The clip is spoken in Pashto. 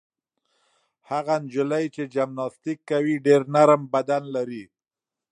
هغه نجلۍ چې جمناسټیک کوي ډېر نرم بدن لري.